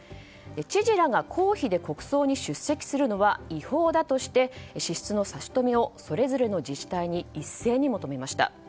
知事らが公費で国葬に出席するのは違法だとして支出の差し止めをそれぞれの自治体に一斉に求めました。